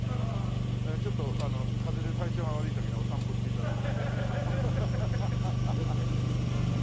ちょっと風邪で体調が悪い時にお散歩して頂いて。